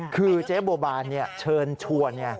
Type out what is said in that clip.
คือเจ๊บัวบานเชิญชวน